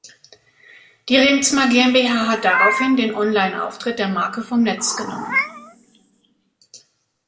Die Reemtsma GmbH hat daraufhin den Online-Auftritt der Marke vom Netz genommen.